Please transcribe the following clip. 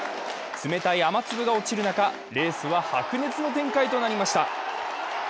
冷たい雨粒が落ちる中、レースは白熱の展開となりました。